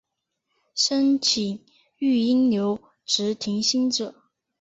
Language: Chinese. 申请育婴留职停薪者